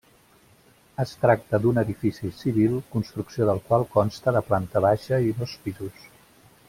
Es tracta d'un edifici civil, construcció del qual consta de planta baixa i dos pisos.